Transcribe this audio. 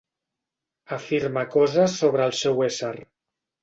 Afirma coses sobre el seu ésser.